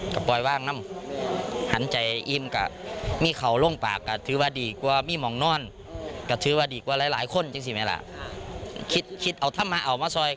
ระวังจะโดนตำรวจจับเอาเด้อ